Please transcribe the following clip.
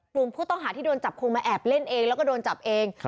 ภูมิผู้ต้องหาที่โดนจับคุงมาแอบเล่นเอง